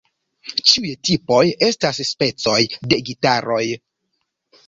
Ĉiuj tipoj estas specoj de gitaroj.